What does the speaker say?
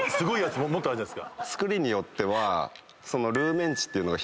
作りによっては。